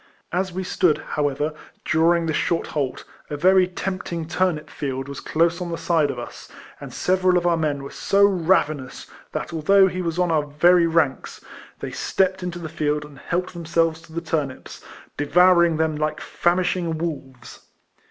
As we stood, however, during this short halt, a very tempting turnip field was close on the side of us, and several of the men were so RIPLEMAN HARRIS. 193 ravenous, that although he was in our very ranks, they stepped into the field and helped themselves to the turnips, devouring them like famishing wolves.